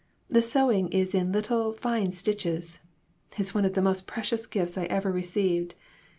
The sewing is in little, fine stitches. It's one of the most precious gifts I ever received.